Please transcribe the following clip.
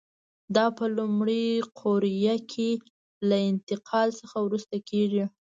دا په لومړۍ قوریه کې له انتقال څخه وروسته کېږي.